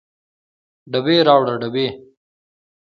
ډبې راوړه ډبې